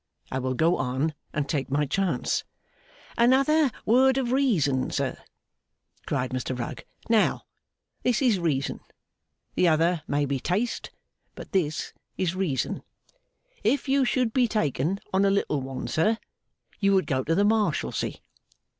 I will go on, and take my chance.' 'Another word of reason, sir!' cried Mr Rugg. 'Now, this is reason. The other may be taste; but this is reason. If you should be taken on a little one, sir, you would go to the Marshalsea.